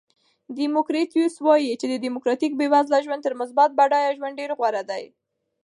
دیموکریتوس وایي چې یو دیموکراتیک بېوزله ژوند تر مستبد بډایه ژوند ډېر غوره دی.